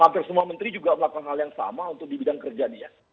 hampir semua menteri juga melakukan hal yang sama untuk di bidang kerja nih ya